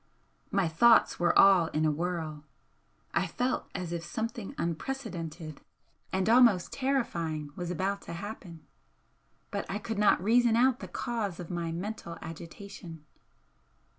My thoughts were all in a whirl, I felt as if something unprecedented and almost terrifying was about to happen, but I could not reason out the cause of my mental agitation.